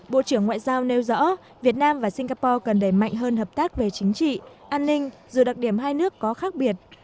bộ trưởng ngoại giao nêu rõ việt nam và singapore cần đẩy mạnh hơn hợp tác về chính trị an ninh dù đặc điểm hai nước có khác biệt